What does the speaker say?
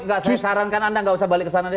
nggak sih sarankan anda nggak usah balik ke sana deh